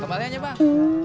kembali aja bang